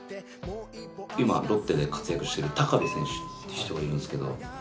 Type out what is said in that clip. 今ロッテで活躍してる部選手っていう人がいるんですけど。